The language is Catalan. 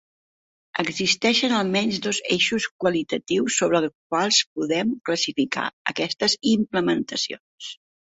Existeixen almenys dos eixos qualitatius sobre els quals podem classificar aquestes implementacions.